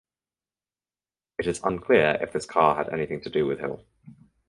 It is unclear if this car had anything to do with Hill.